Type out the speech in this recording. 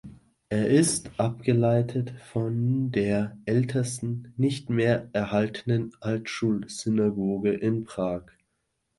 Er ist abgeleitet von der ältesten nicht mehr erhaltenen Altschul-Synagoge in Prag.